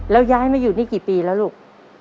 แล้วย้ายมาอยู่นี่กี่ปีแล้วลูก